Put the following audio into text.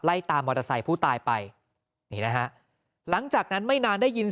ตามมอเตอร์ไซค์ผู้ตายไปนี่นะฮะหลังจากนั้นไม่นานได้ยิน